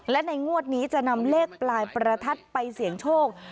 และในงวดนี้จะนำเลขปลายประทัดไปเสี่ยงโชค